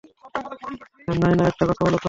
নায়না, একটা কথা বল তো।